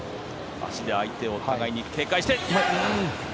足で相手を互いに警戒して。